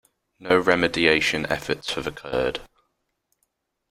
No remediation efforts have occurred.